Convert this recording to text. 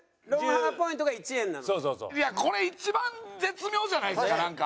いやこれ一番絶妙じゃないですかなんか。